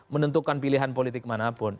menentukan pilihan politik manapun